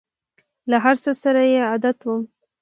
له هر څه سره یې عادت وم !